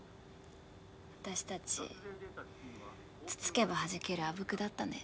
私たちつつけばはじけるあぶくだったね。